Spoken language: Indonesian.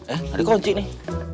eh ada kunci nih